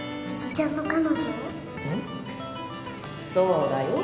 そうだよ。